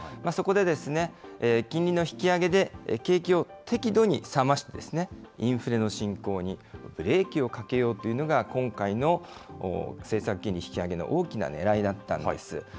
そこで、金利の引き上げで景気を適度に冷まし、インフレの進行にブレーキをかけようというのが、今回の政策金利引き上げの大きなねらいだったんです。